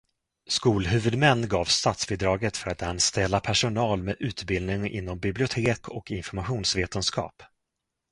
Skolhuvudmän gavs statsbidraget för att anställa personal med utbildning inom bibliotek- och informationsvetenskap.